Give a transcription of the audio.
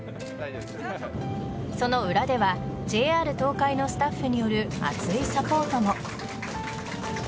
その裏ではＪＲ東海のスタッフによる厚いサポートも。